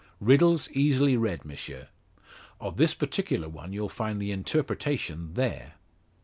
"Riddles easily read, M'sieu. Of this particular one you'll find the interpretation there."